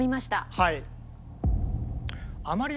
はい。